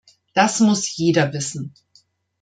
Das muss jeder wissen!